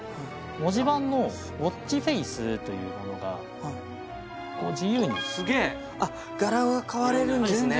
文字盤のウォッチフェイスというものがこう自由にすげえあっ柄が変われるんですね